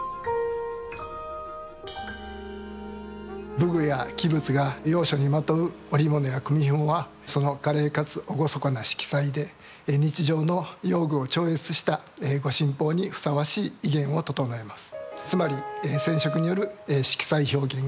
武具や器物が要所にまとう織物や組みひもはその華麗かつ厳かな色彩で日常の用具を超越した御神宝にふさわしい威厳をととのえます。